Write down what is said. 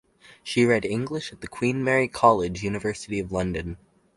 She read English at the Queen Mary College, University of London.